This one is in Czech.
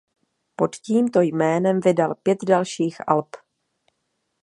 Pod tímto jménem vydal pět dalších alb.